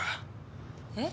えっ？